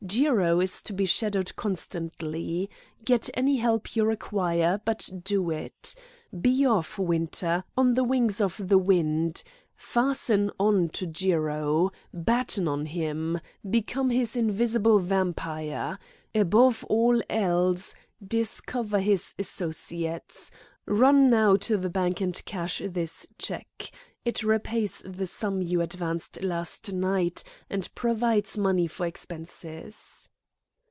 Jiro is to be shadowed constantly. Get any help you require, but do it. Be off, Winter, on the wings of the wind. Fasten on to Jiro. Batten on him. Become his invisible vampire. Above all else, discover his associates. Run now to the bank and cash this cheque. It repays the sum you advanced last night, and provides money for expenses."